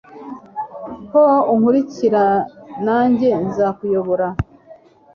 ko unkurikira nanjye nzakuyobora